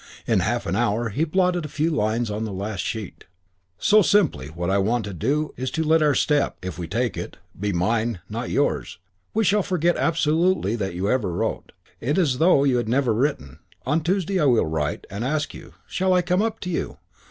In half an hour he blotted the few lines on the last sheet: "...So, simply what I want to do is to let our step if we take it be mine, not yours. We shall forget absolutely that you ever wrote. It's as though it had never been written. On Tuesday I will write and ask you, 'Shall I come up to you?'